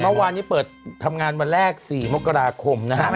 เมื่อวานนี้เปิดทำงานวันแรก๔มกราคมนะครับ